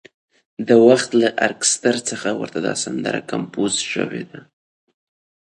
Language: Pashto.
د وخت له ارکستر څخه ورته دا سندره کمپوز شوې ده.